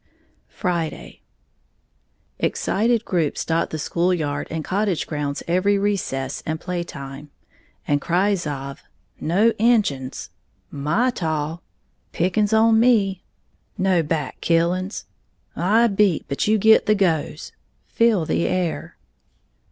Friday. Excited groups dot the school yard and cottage grounds every recess and playtime, and cries of "No inchin's!", "My taw!", "Pickin's on me!", "No back killin's!", "I beat, but you git the goes!" fill the air.